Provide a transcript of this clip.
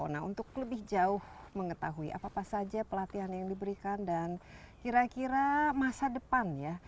nah untuk lebih jauh mengetahui apa apa saja pelatihan yang diberikan dan kira kira masa depan ya